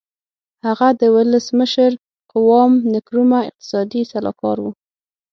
هغه د ولسمشر قوام نکرومه اقتصادي سلاکار و.